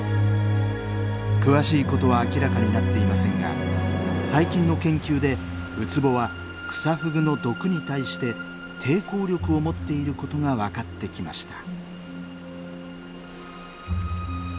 詳しいことは明らかになっていませんが最近の研究でウツボはクサフグの毒に対して抵抗力を持っていることが分かってきました。